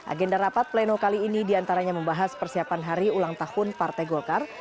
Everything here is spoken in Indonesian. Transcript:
agenda rapat pleno kali ini diantaranya membahas persiapan hari ulang tahun partai golkar